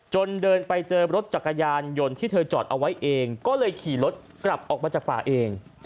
เดินไปเจอรถจักรยานยนต์ที่เธอจอดเอาไว้เองก็เลยขี่รถกลับออกมาจากป่าเอง